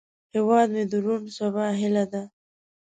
هیواد مې د روڼ سبا هیله ده